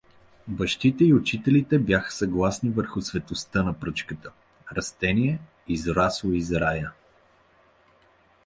Бащите и учителите бяха съгласни върху светостта на пръчката „растение, израсло из рая“.